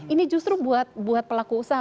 ini justru buat pelaku usaha